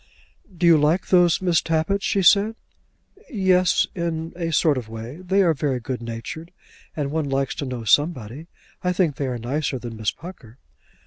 "Do you like those Miss Tappitts?" she said. "Yes; in a sort of a way. They are very good natured, and one likes to know somebody. I think they are nicer than Miss Pucker."